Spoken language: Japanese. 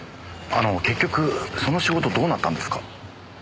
あの結局その仕事どうなったんですか？